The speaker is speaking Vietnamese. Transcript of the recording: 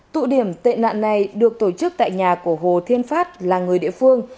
tụ điểm tệ nạn này được tổ chức tại nhà của hồ thiên phát là người địa phương